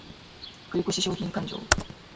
繰越商品勘定